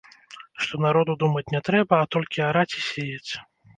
Што народу думаць не трэба, а толькі араць і сеяць.